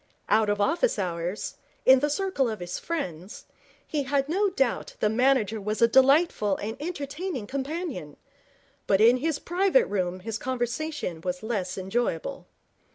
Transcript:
Out of office hours, in the circle of his friends, he had no doubt the manager was a delightful and entertaining companion; but in his private room his conversation was less enjoyable.